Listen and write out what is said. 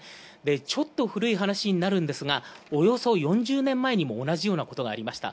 ちょっと古い話になるんですがおよそ４０年前にも同じようなことがありました。